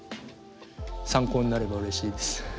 参考になればうれしいです。